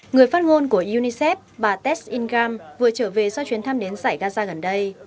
người phát ngôn của unicef bà tess ingram vừa trở về do chuyến thăm đến giải gaza gần đây